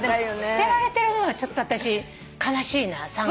捨てられてるのがちょっと私悲しいな。